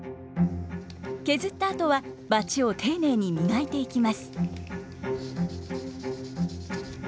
削ったあとはバチを丁寧に磨いていきます。